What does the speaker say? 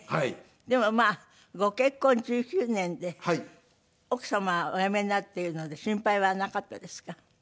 でもまあご結婚１９年で奥様はお辞めになるっていうので心配はなかったですか？